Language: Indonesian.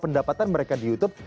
pendapatan mereka di youtube